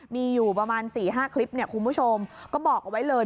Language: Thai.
มีอยู่ประมาณ๔๕คลิปคุณผู้ชมก็บอกเอาไว้เลย